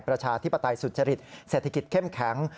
ประชาธิปไตยสุจริตเศรษฐกิจเข้มแข็ง